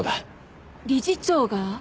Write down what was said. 理事長が？